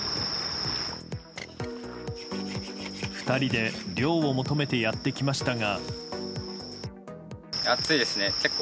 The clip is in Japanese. ２人で涼を求めてやってきましたが。